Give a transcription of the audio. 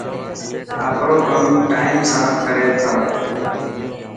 آپرو ڪم ٽائم سان ڪري ٿا.